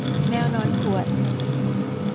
แมวนอนหวด